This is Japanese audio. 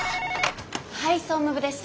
☎はい総務部です。